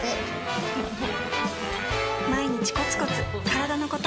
毎日コツコツからだのこと